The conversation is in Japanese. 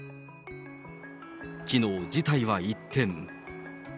きのう、事態は一転。